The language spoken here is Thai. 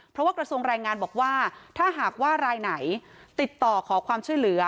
เพราะว่ากระทรวงแรงงานบอกว่าถ้าหากว่ารายไหนติดต่อขอความช่วยเหลือ